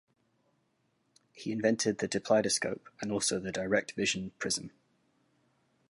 He invented the dipleidoscope and also the direct vision prism.